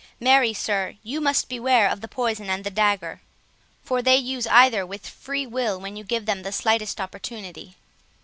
Marry, sir, you must be aware of the poison and the dagger; for they use either with free will when you give them the slightest opportunity."